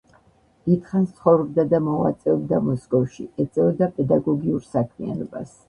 დიდხანს ცხოვრობდა და მოღვაწეობდა მოსკოვში, ეწეოდა პედაგოგიურ საქმიანობას.